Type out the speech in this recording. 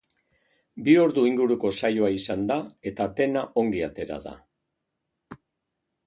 Bi ordu inguruko saioa izan da eta dena ongi atera da.